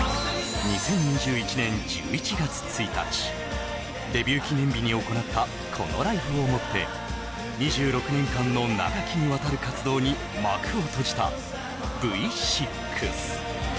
２０２１年１１月１日デビュー記念日に行ったこのライブをもって２６年間の長きにわたる活動に幕を閉じたＶ６